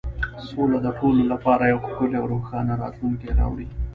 سوله د ټولو لپاره یو ښکلی او روښانه راتلونکی راوړي.